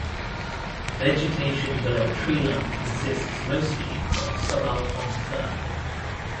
Vegetation below treeline consists mostly of subalpine fir.